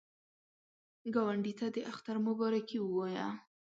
ګاونډي ته د اختر مبارکي ووایه